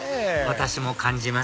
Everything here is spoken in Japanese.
私も感じます